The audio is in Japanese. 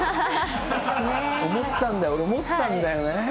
思ったんだよ、俺、思ったんだよね。